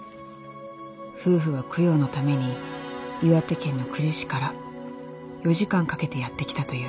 夫婦は供養のために岩手県の久慈市から４時間かけてやって来たという。